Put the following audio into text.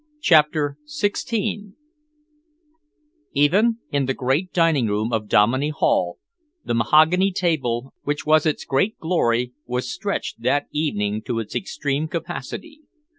CHAPTER XVI Even in the great dining room of Dominey Hall, the mahogany table which was its great glory was stretched that evening to its extreme capacity.